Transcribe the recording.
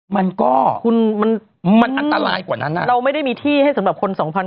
มันก็คุณมันมันอันตรายกว่านั้นเราไม่ได้มีที่ให้สำหรับคนสองพัน